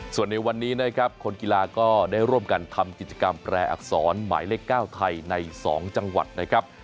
ส่วนในวันนี้นะครับคนกีฬาก็ได้ร่วมกันทำกิจกรรมแปรอักษรหมายเลข๙ไทยใน๒จังหวัดนะครับ